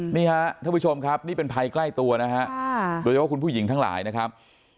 นี่ฮะท่านผู้ชมครับนี่เป็นภัยใกล้ตัวนะฮะโดยเฉพาะคุณผู้หญิงทั้งหลายนะครับ